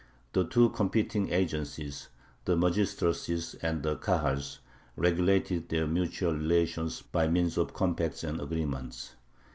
The two competing agencies, the magistracies and the Kahals, regulated their mutual relations by means of compacts and agreements.